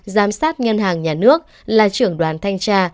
giám sát ngân hàng nhà nước là trưởng đoàn thanh tra